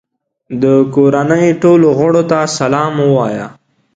د کورنۍ ټولو غړو ته سلام ووایه.